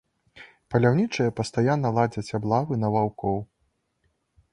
Паляўнічыя пастаянна ладзяць аблавы на ваўкоў.